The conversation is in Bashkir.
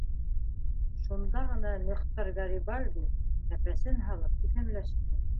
Шунда ғына Мөхтәр Гарибальди, кәпәсен һалып, иҫәнләште: